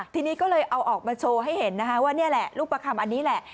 ทีนี้ก็เลยเอาออกมาโชว์ให้เห็นนะคะว่านี่แหละรูปประคำอันนี้แหละ